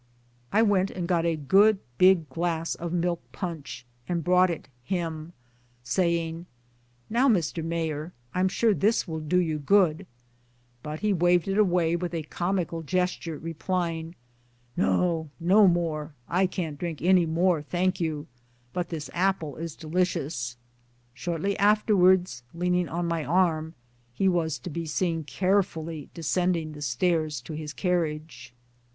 I went and got a good big glass of milk punch, and brought it him, saying, " Now, Mr. Mayor, I'm sure this will do you good " but he waived it away, with a comical ges ture, replying :" No, no more I can't drink any more, thank you ; but this apple is delicious !" Shortly afterwards, leaning on my arm, he was to be seen carefully descending the stairs to his carriage.